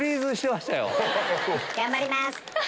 頑張ります。